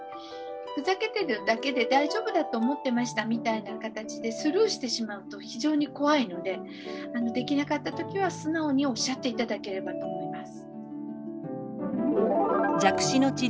ふざけてるだけで大丈夫だと思ってましたみたいな形でスルーしてしまうと非常に怖いのでできなかった時は素直におっしゃって頂ければと思います。